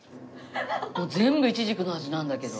全部いちじくの味なんだけど。